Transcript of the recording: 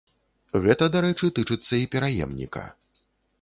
Гэта, дарэчы, тычыцца і пераемніка.